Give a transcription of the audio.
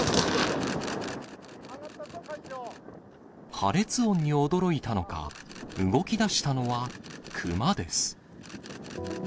破裂音に驚いたのか、動き出したのはクマです。